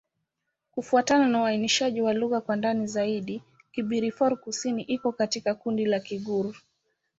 Kufuatana na uainishaji wa lugha kwa ndani zaidi, Kibirifor-Kusini iko katika kundi la Kigur.